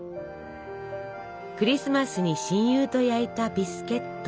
クリスマスに親友と焼いたビスケット。